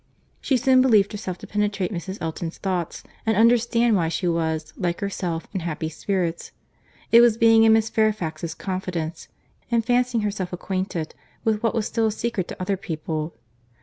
She soon believed herself to penetrate Mrs. Elton's thoughts, and understand why she was, like herself, in happy spirits; it was being in Miss Fairfax's confidence, and fancying herself acquainted with what was still a secret to other people.